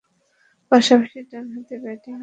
পাশাপাশি ডানহাতে ব্যাটিংয়ে পারদর্শীতা দেখিয়েছেন তিনি।